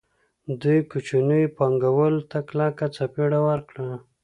دوی کوچنیو پانګوالو ته کلکه څپېړه ورکړه